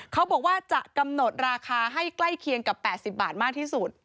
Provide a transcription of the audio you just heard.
เขาบอกว่าจะกำหนดราคาให้ใกล้เคียงกับ๘๐บาทมากที่สุด